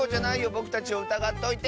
ぼくたちをうたがっといて！